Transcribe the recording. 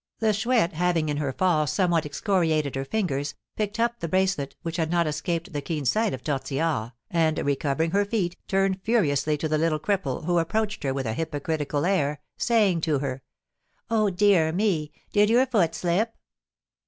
The Chouette having, in her fall, somewhat excoriated her fingers, picked up the bracelet, which had not escaped the keen sight of Tortillard, and, recovering her feet, turned furiously to the little cripple, who approached her with a hypocritical air, saying to her: "Oh, dear me! Did your foot slip?"